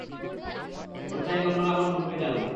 ওরা চায়নি অন্যরা আমার সম্পর্কে জানুক।